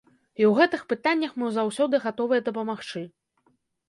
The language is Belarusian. І ў гэтых пытаннях мы заўсёды гатовыя дапамагчы.